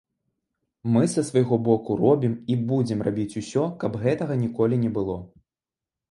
Мы са свайго боку робім і будзем рабіць усё, каб гэтага ніколі не было.